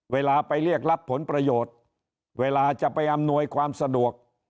เวลาไปเรียกรับผลประโยชน์เวลาจะไปอำนวยความสะดวก